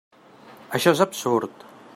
Això és absurd.